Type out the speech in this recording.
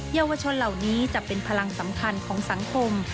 เยาวชนเหล่านี้จะเป็นพลังสำคัญของสังคม